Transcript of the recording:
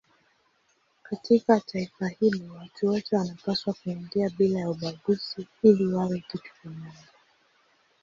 Katika taifa hilo watu wote wanapaswa kuingia bila ya ubaguzi ili wawe kitu kimoja.